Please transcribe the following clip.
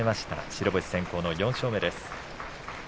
白星先行の４勝目です。